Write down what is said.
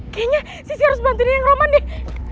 kayaknya sisi harus bantuin yang roman deh